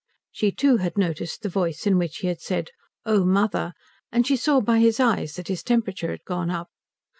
She too had noticed the voice in which he had said Oh mother, and she saw by his eyes that his temperature had gone up.